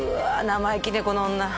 生意気ねこの女